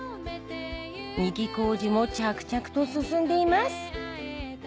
２期工事も着々と進んでいます